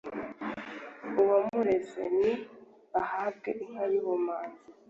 Uwamureze ni ahabwe inka y'ubumanzi.